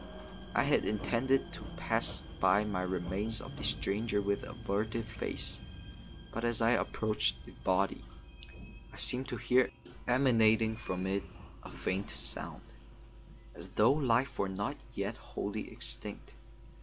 I had intended to pass by the remains of the stranger with averted face, but as I approached the body, I seemed to hear emanating from it a faint sound, as though life were not yet wholly extinct.